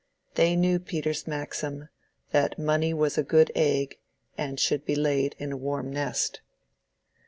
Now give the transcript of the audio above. They knew Peter's maxim, that money was a good egg, and should be laid in a warm nest.